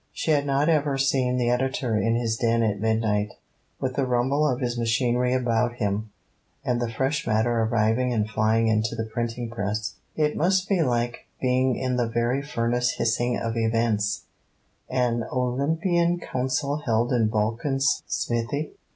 She had not ever seen the Editor in his den at midnight. With the rumble of his machinery about him, and fresh matter arriving and flying into the printing press, it must be like being in the very furnace hissing of Events: an Olympian Council held in Vulcan's smithy.